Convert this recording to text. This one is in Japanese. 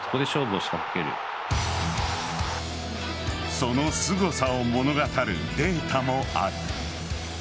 そのすごさを物語るデータもある。